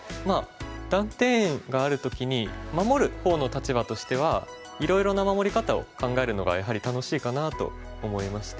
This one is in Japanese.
まあ断点がある時に守る方の立場としてはいろいろな守り方を考えるのがやはり楽しいかなと思いまして。